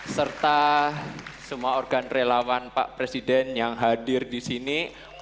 serta semua organ relawan pak presiden yang hadir disini